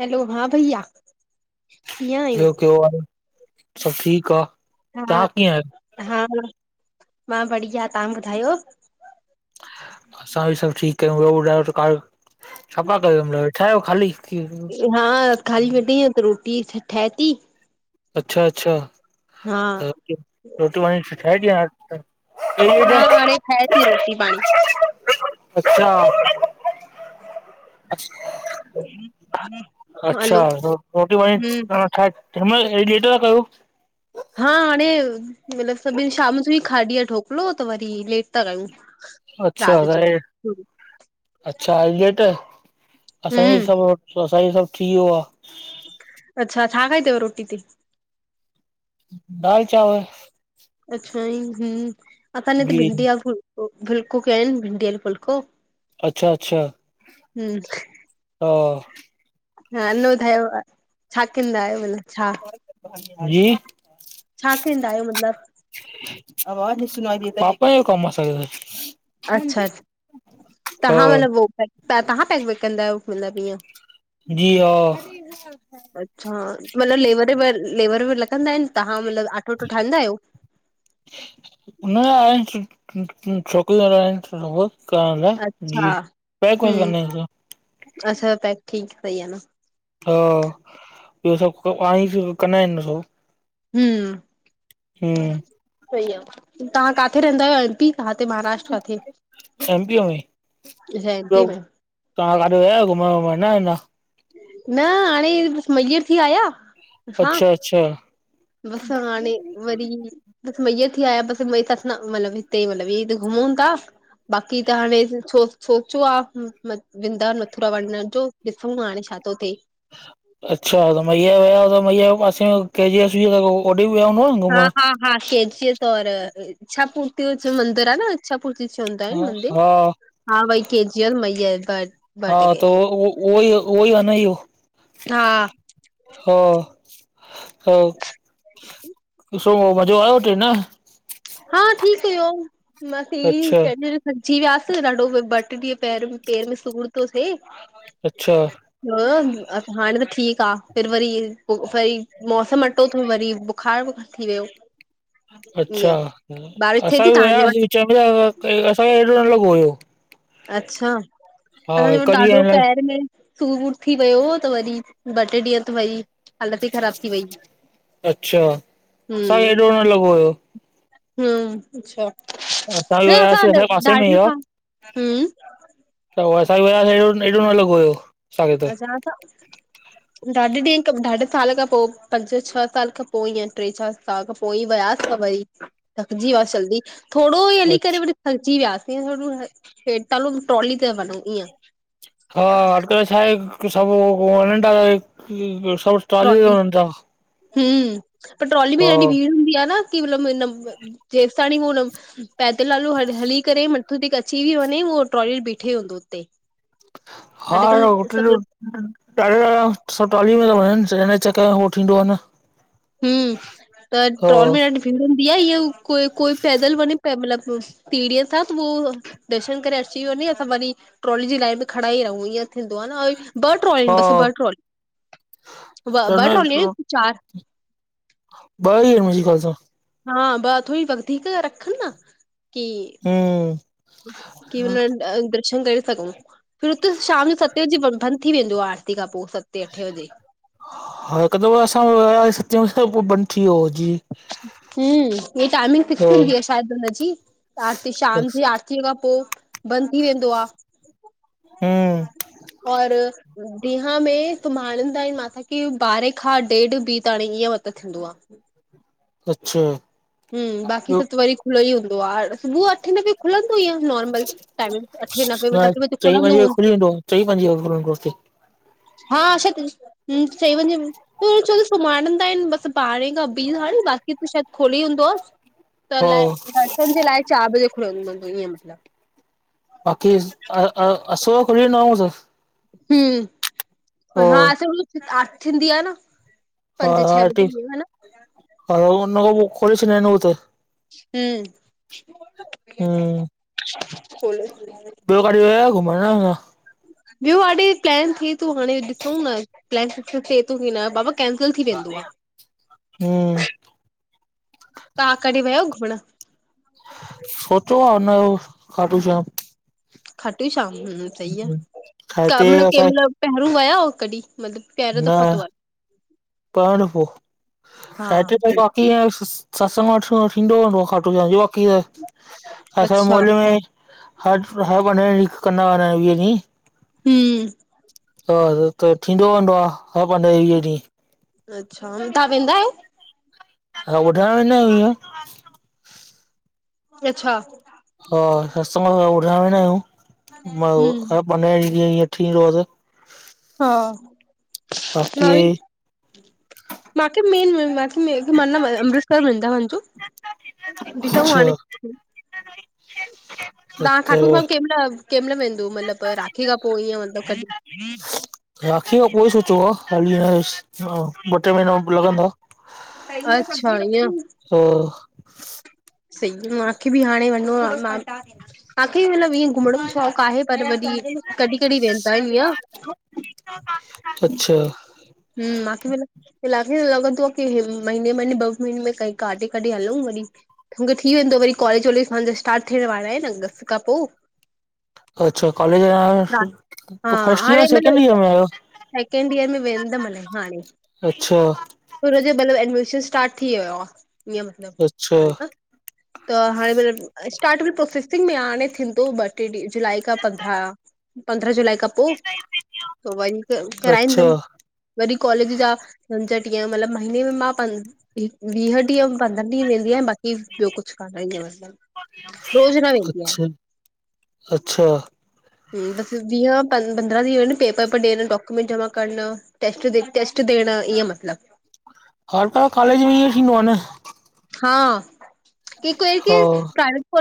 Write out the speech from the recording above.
Hello, हा भईया कीअं? आहियो? ॿियो कहिड़ो आ, सब ठीकु आ, हा तव्हां कीअं आयो? हा, मां बढ़िया, तहां ॿुधायो? असां बि सब ठीकु आंयूं, ॿियो ॿुधायो त कार छा पा कयो, वेठा आयो ख़ाली? हा खाली वेठी हस त रोटी ठहे ती। अच्छा अच्छा हा रोटी मानी सुठाहेॾ [unintelligible] हा हाणे ठाए थी रोटी पाणी। अच्छा! हलो अच्छा रोटी पाणी हम्म शाम ऐॾी लेट था कयो? हा हाणे मतिलबु सभिन शाम जो ई खाधीआ ढोकिलो त वरी लेट था कयूं। अच्छा राति जी। हाड़े, अच्छा इये त असांजी हम्म सब, असांजी सब थी वियो आ। अच्छा, छा खाई तव रोटी ते? दाल चांवर अच्छा ई हम, असां इ ते जी, भिंडी ए फुलको फुलको कयूंनि भिंडी आलू फुलको। अच्छा अच्छा हम ह [inaudible] हा अन ॿुधायो छा कंदा आहियो भला, छा? जी छा कंदा आहियो मतिलबु? आवाज़ नही सुनाई देता, पापा जो कमु आ असांजो त। अच्छा तहां मतलबु तवहां पैक वैक कंदा आहियो मतलबु इअं। जी हा अच्छा मतिलबु लेबर वेबर, लेबर वेबर लॻंदा आहिन, तहां मतलबु आटो वटो ठाहींदा आहियो? [unintelligible] छोकिरी वारा आहिन काल अच्छा जी पैक वैक कंदा आहियूं अंसां [unintelligible] [inaudible] अच्छाैक ठीक सही आहे न [unintelligible] हा ॿियो सभु पाडई कंदा आहिनि [unintelligible] हम हम सही आहे तव्हां किथे रहंदा आहियो एम पी मा त महारा [unintelligible] एम पीअ में एम ॿियो पी में तव्हां काॾे वया आहियो घुमड़ वुमड़ न अञा न हाणे महियर थी आया हा अच्छा अच्छा बस हाणे वरी बस महियर थी आया बसई तस [unintelligible] न मतलब हिते मतलब ईते घुमूं था बाक़ी त हाणे सोचो आहे वृंदा मथुरा वञण जो ॾिसूं था हाणे छा थो थिए अच्छा त महियर विया हुआ त मैया जे पासे में के एस [unintelligible] आहे ओॾे बि विया हूंदो न हा घुमण हा हा कैजी [unintelligible] तौर छा पूर्ती हुजे मंदर आहे न इच्छापुर्ती चंवदा आहिन हा मंदर हा हा भई के जी र मै बट [unintelligible] हा त उहोई उहोई आहे न इयो हा हा ह [inaudible] पो मज़ो आयो उते, न। हा ठीकु हुयो बस सीढी़ अच्छा चढ़ अची वियास, ॾाढो ॿ टे ॾींहं पेहरूं पेर में सूर तो थे। अच्छा। ह हाणे त ठीकु आहे फिर वरी, वरी मौसम मटो थो वरी बुखार थी वयो अच्छा, बारिश थिए असां थी बि तव्हांजे वयासीं वटि विच में असांखे एॾो न लॻो हुयो। अच्छा, हा असाँजे कॾहिं ॾाढो आहिनि लाइ पेर में सूर दूर थी वियो त वरी ॿ टे ॾींहं त वई हालत ही ख़राब थी वई, अच्छा असांखे हम्म हेॾो न लॻो हुयो हम्म अच्छा, बि न असां वियासीं असांजे पासे में ई ॾाढे आहे खां हम्म त उ असां बि वियासे एॾो न लॻो हुयो। असांखे असां [inaudible] डाढे ॾींहं खां, डाढे साल खां पो पंज छह साल खां पो ईअं टे चारि साल खा पोई वियास त वरी, थकजी वियास जल्दी। थोरो ई हली करे अच्छा वरी थकजी वियासीं, हेेठ तालो ट्रौली ते वॼंउ, ईअं हा, अॼकल छाहे सब [unintelligible] वॼन ता त ट्राली में ट्रॉली वञनि ता हम्म, पर ट्रोली में एॾी भीण हूंदी आहे न कि मतलब जेस्ताणी हू पैदल हलो हली, हली करे मथो टेके अची बि वञे उहो ट्रोली बीठे हूंदो हुते। हा अॼुकल्ह ॾाढे सभु सालन खां, सब ट्रॉलीअ में ता वञन त हिन जे चक्कर में हो थींदो आ न। हूं, त अॼ हा ट्रॉल में हूंदी आ, या कोई कोई पैदल वंञे मतलब सीड़ीअ सां त वो दर्शन करे अची वंञे, असां वरी ट्रॉली जी लाइन में खड़ा ई रहूं, ईएं थींदो आ न। ॿ ट्रॉली एन, हा बस ब ट्रॉली, त हुन ॿ ट्रॉली एन कि चार? ॿ ई एन, मुंजे ख़्याल सां। हा, ॿ थोड़ी वधीक रखन न, की हूं की मत्लब, दर्शन करे सघूं। फिर त शाम जो सतें बजे बंद थी वेंदो आ, आरती खां पो सतें, अठें बजे। हा, हिक दफ़ो असां वयास सतें बजे खां पो, बंद थी व्यो जी। हूं,, हे टाइमिंग फिक्स हूंदी आ शायद हुनजी, आरती शाम जी आर आरती खां पो बंद थी वेंदो आ, हम्म और ॾींहं में सुम्हारंदा इन माता खे, ॿारहें खां, ॾेढ, ॿी तांणी, ईअं मत्लब थींदो आ। अच्छा हूं, बाक़ी ॿियो सभ त वरी खुलोई हूंदो आ, सुबूह अठें बजे खुलंदो ई आ, नॉर्मल टाइमिंग अठें, नवें, नवें बजे चईं पंजे खुलंदोई जो हूंदो। खुली वेंदो चईं पंजे जो खुली वेंदो हुते [unintelligible] हूं, चईं बजे, छो त सुमाणन्दा एन, बस ॿारें खां ॿीं तांणी बाक़ी त शायद खुली हूंदो आ, त हा अलाए दर्शन जे लाइ चार बजे खुलदो हुँदो, इअं मतलब बाक़ी असुर जो खुल्यल न हूंदो? हूं,, हा, अठें वॻे आरती थींदी आ न। हा पंजे हा, छह आरती, बजे ह न हा उन खां पो खोले छॾन्दा एन, हू त। हूं, खोले छॾदा एन। ॿयो काॾे, वयायो घुमण? ॿयो हाणे प्लैन थे तो, हाणे ॾिसऊं न, प्लैन सक्सेस थे तो की न, बाबा कैंसिल थी वेंदो आ। हूं तां, कॾी वयव घुमण? सोचो आ न हू खाटू श्याम। खटू श्याम, हूं, सही आ, छा क हिते मतलब के असां मतलब पहिरूं वया हो कॾी? मतलब पहिरो न दफ़ा तो वन् [unintelligible] सत्संग सही वत्संग आ। त थींदो हूंदो, खाटू श्याम जो, बाक़ी त असांजे अच्छा मोहल्ले में हर, हर पंद्रहें ॾींहं कंदा रहंदायूं, वीहें ॾींहं। हूं ह, त थींदो वेंदो आ, हर पंद्रहें वीहें ॾींह। अच्छा, तां वेंदायो? तां ॿुधण वेंदायो छा? अछा हा, सत्संग वत्संग ॿुधण वेंदायूं, हम्म मां पंद्रहें, वीहें ॾींह थी ईंदो हस। हा, बाक़ी नवी माखे, मेन मत्लब अमृतसर, व्रिंदावन जो। ॾिसूं अच्छा हाणे तहां त खाटू श्याम कं महिल कं महिल वेंदो मतिलबु राखी खां पोइ ईअं मतिलब क राखी जो कोई सोचो आ, हाली ॿ टे महीना लॻंदा। अचछा, ईअं। ह [inaudible] सही मांखे बि हाणे वंञिणो आ, मां तहांखे मतलबु इअं घुमण जो शौंक़ु आहे पर वरी कॾहिं कॾहिं वेंदा आहियूं इअं। अच्छा हम्म बाक़ी बि त लाॻे लॻंदो आ कि महीने, महिने ॿ महीने में क काॾे काॾे हलंउं, वरी मूंखे थी वेंदो, वरी कॉलेज वॉलेजा स्टार्ट थियण वारो आहिन अगस्त खां पो। अच्छा कॉलेज हा आयो फर्स्ट ईयर, हाणे सेकेंड ईयर मतिलबु में आयो? सेकेंड ईयर में वेंदम हाणे अच्छा जो भले एडमिशन स्टार्ट थी वियो आ। अच्छा त हाणे मतलब स्टार्ट मतलब प्रोसेसिंग में, हाणे थींदो बट जुलाई पंद्रह पंद्रह जुलाई खां पो, पो वरी अच्छा कराईंदमि। वरी कॉलेज जा पंज ॾींह मतलबु महीने में मां पंज वी हटी पंदहं, ॾींहं वेंदी आयां बाक़ी ई ॿियो कुछु करण ई आहे, मा रोज़ न वेंदी आयां। अच्छा अच्छा ह बस वीह प पंद्रह ॾींहं पेपर पेपर ॾेयण, डॉक्यूमेंट जमा करणु। टैस्-ट टेस्ट ॾियण, ईएं मतलब। हर कं कॉलेज में ईअं थींदो आ न। हा कि कोई हा केर प्राइवेट कॉलेज